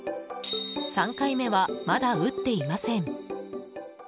３回目はまだ打っていません。